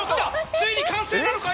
ついに完成なのか？